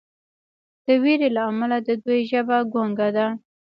د ویرې له امله د دوی ژبه ګونګه ده.